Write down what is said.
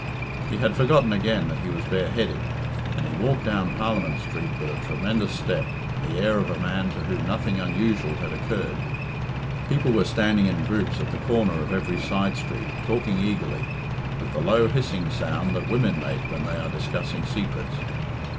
He had forgotten again that he was bareheaded, and he walked down Parliament Street with a tremendous step and the air of a man to whom nothing unusual had occurred. People were standing in groups at the corner of every side street, talking eagerly, with the low hissing sound that women make when they are discussing secrets.